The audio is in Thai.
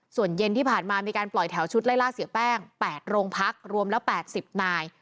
ส่วนเย็นที่ผ่านมามีการปล่อยแถวชุดไล่ล่าเสียแป้ง๘โรงพักรวมแล้ว๘๐นาย